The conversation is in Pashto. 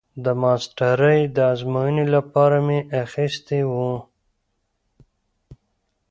د ماسترۍ د ازموينې لپاره مې اخيستي وو.